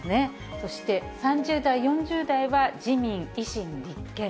そして３０代、４０代は自民、維新、立憲。